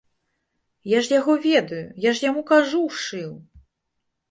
Я ж яго ведаю, я ж яму кажух шыў!